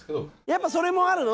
やっぱそれもあるの？